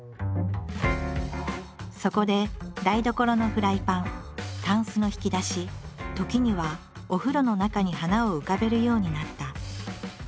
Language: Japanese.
そこで台所のフライパンたんすの引き出し時にはお風呂の中に花を浮かべるようになった。